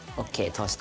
通した。